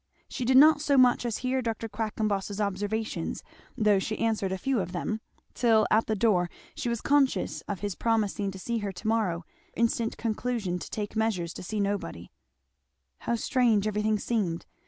She did not so much as hear Dr. Quackenboss's observations, though she answered a few of them, till, at the door, she was conscious of his promising to see her to morrow and of her instant conclusion to take measures to see nobody. How strange everything seemed.